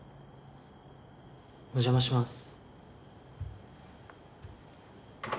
お邪魔します。